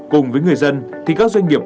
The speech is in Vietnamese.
cùng với người dân thì các doanh nghiệp